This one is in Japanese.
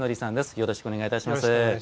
よろしくお願いします。